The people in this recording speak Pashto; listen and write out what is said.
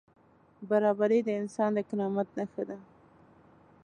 برابري د انسان د کرامت نښه ده.